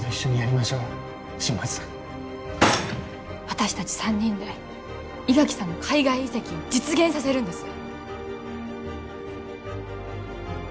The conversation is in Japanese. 私達３人で伊垣さんの海外移籍を実現させるんです